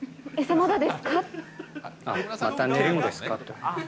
また寝るんですか？と。